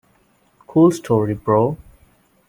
Cool story, bro!